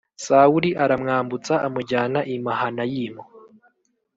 Sawuli aramwambutsa amujyana i mahanayimu